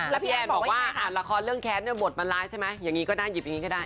แล้วพี่แอนบอกว่าละครเรื่องแค้นเนี่ยบทมันร้ายใช่ไหมอย่างนี้ก็ได้หยิบอย่างนี้ก็ได้